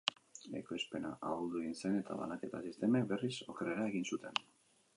Ekoizpena ahuldu egin zen, eta banaketa-sistemek, berriz, okerrera egin zuten.